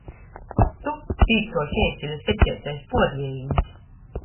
Tu – pīktuo keiseļa septeitais puorliejīņs.